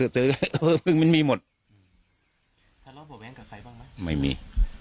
เสร็จมันมีหมดท่านลองบอกแบบนี้กับใครบ้างไหมไม่มีอ๋อ